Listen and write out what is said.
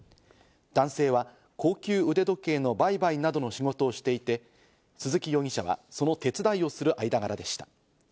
男性は高級腕時計の売買などの仕事をしていて、鈴木容疑者はその手伝いをする間柄でした。